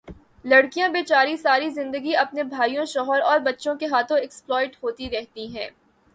لڑکیاں بے چاری ساری زندگی اپنے بھائیوں، شوہر اور بچوں کے ہاتھوں ایکسپلائٹ ہوتی رہتی ہیں